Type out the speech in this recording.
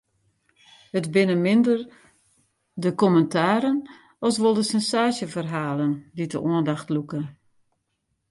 It binne minder de kommentaren as wol de sensaasjeferhalen dy't de oandacht lûke.